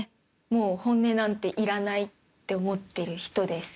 もう本音なんていらないって思っている人です。